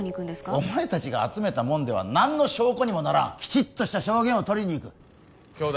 お前達が集めたもんでは何の証拠にもならんきちっとした証言を取りにいく兄弟